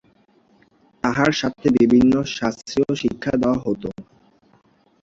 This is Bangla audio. তাহার সাথে বিভিন্ন শাস্ত্রীয় শিক্ষা দেওয়া হত।